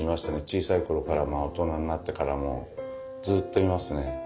小さい頃からも大人になってからもずっといますね。